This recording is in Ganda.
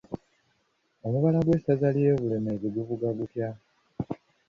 Omubala gw'Essaza ly'Ebulemeezi guvuga gutya?